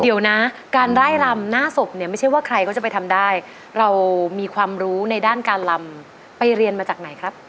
เดี๋ยวนะการไล่ลำหน้าศพเนี่ยไม่ใช่ว่าใครก็จะไปทำได้เรามีความรู้ในด้านการลำไปเรียนมาจากไหนครับ